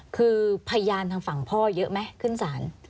คือพยานทางฝั่งพ่อเยอะไหมขึ้นศาล